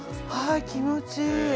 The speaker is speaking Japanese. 気持ちいい。